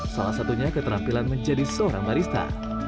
salah satunya keterampilan menjadi seorang barista